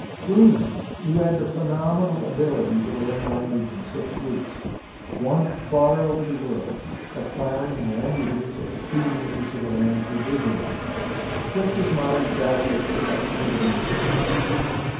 SchUemann, who had the phenomenal ability to learn a language in six weeks, wandered far over the world, acquiring languages as souvenirs of the lands he visited, just as modem travellers pick up souvenirs in shops.